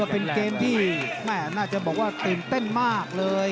เป็นเกมที่แม่น่าจะบอกว่าตื่นเต้นมากเลย